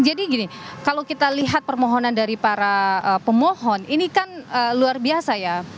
jadi gini kalau kita lihat permohonan dari para pemohon ini kan luar biasa ya